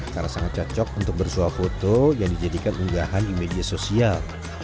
karena sangat cocok untuk bersuah foto yang dijadikan unggahan di media sosial